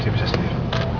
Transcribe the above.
dia bisa sendiri